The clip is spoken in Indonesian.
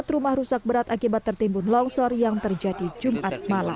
empat rumah rusak berat akibat tertimbun longsor yang terjadi jumat malam